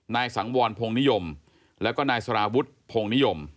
นายสังวรพงนิยมแล้วก็นายสารวุฒิพงนิยม